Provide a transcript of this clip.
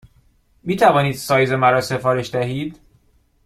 می توانید سایز مرا سفارش دهید؟